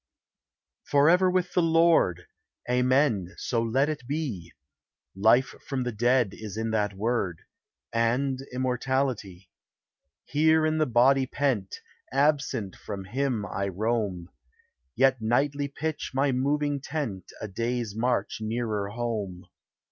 Forever with the Lord! Amen ! so let it be ! Life from the dead is in that word, And immortality. Here in the body pent, Absent from him I roam, Yet nightly pitch my moving tent A day's march nearer home.